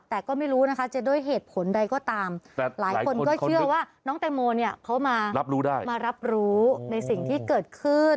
แต่ก็ไม่รู้นะคะจะด้วยเหตุผลใดก็ตามหลายคนก็เชื่อว่าน้องแตงโมเนี่ยเขามารับรู้ได้มารับรู้ในสิ่งที่เกิดขึ้น